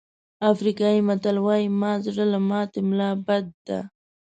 افریقایي متل وایي مات زړه له ماتې ملا بده ده.